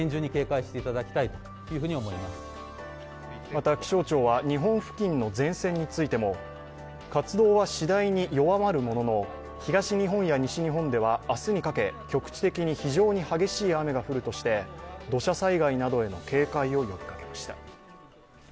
また気象庁は日本付近の前線についても活動はしだいに弱まるものの、東日本や西日本では明日にかけ局地的に非常に激しい雨が降るとして土砂災害などへの警戒を呼びかけました。